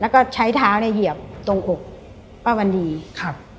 แล้วก็ใช้เท้าเนี่ยเหยียบตรงอกป้าวันดีครับ